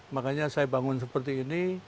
makanya saya bangun seperti ini